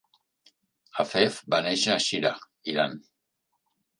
Hafez va néixer a Shiraz, Iran.